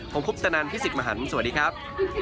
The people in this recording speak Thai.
ผมคุปตนันพี่สิทธิ์มหันฯสวัสดีครับ